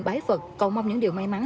bái phật cầu mong những điều may mắn